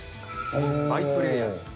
バイプレーヤー。